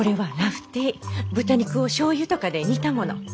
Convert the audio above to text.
豚肉をしょうゆとかで煮たもの。